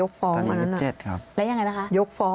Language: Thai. ก็คลิปออกมาแบบนี้เลยว่ามีอาวุธปืนแน่นอน